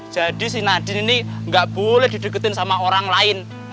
jadi si nadine ini gak boleh dideketin sama orang lain